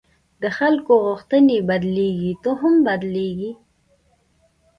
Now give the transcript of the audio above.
د خلکو غوښتنې بدلېږي، ته هم بدلېږه.